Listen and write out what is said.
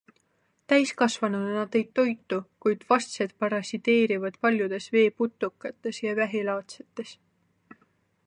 Täiskasvanuna nad ei toitu, kuid vastsed parasiteerivad paljudes veeputukates ja vähilaadsetes.